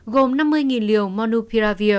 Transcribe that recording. gồm năm mươi liều monopiravir